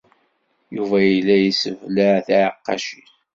Yuba yella yesseblaɛ tiɛeqqacin.